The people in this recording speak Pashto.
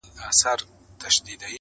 o ستا د ميني پـــه كـــورگـــي كـــــي.